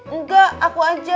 enggak aku aja